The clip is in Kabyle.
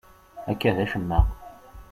Akka d acemma.